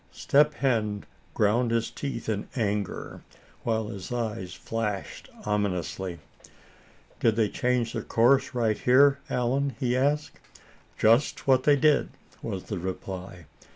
Step Hen ground his teeth in anger, while his eyes flashed ominously. "Did they change their course right here, Allan?" he asked. "Just what they did," was the reply.